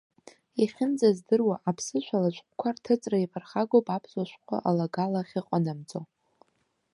Иахьынӡаздыруа, аԥсышәала ашәҟәқәа рҭыҵра иаԥырхагоуп аԥсуа шәҟәы алагала ахьыҟанамҵо.